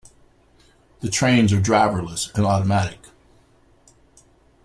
The trains are driverless and automatic.